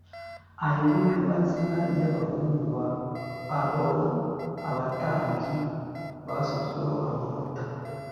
ayo ni yo mazina y abahungu ba aroni abatambyi basutsweho amavuta